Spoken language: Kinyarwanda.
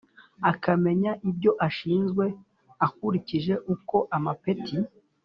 Akamenya Ibyo Ashinzwe Akurikije Uko Amapeti